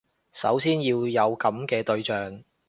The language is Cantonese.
首先要有噉嘅對象